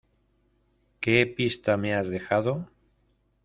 ¿Qué pista me has dejado?